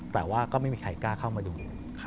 แต่ว่าก็ไม่มีใครกล้าเข้ามาดู